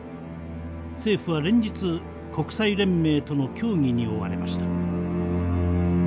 政府は連日国際連盟との協議に追われました。